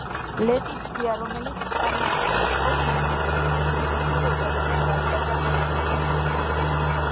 ლეტიცია, რომელიც წარმოშობით იყო გენუელი კეთილშობილი ოჯახიდან, დაიბადა აიაჩოში.